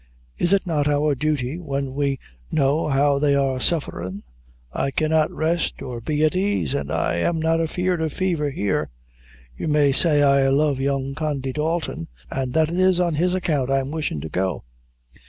Is it not our duty, when we know how they are sufferin'? I cannot rest, or be at ease; an' I am not afeard of fever here. You may say I love young Condy Dalton, an' that it is on his account I am wishin' to go.